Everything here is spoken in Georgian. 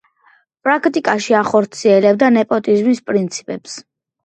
პრაქტიკაში ახორციელებდა ნეპოტიზმის პრინციპებს.